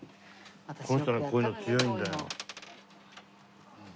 この人はこういうの強いんだよ。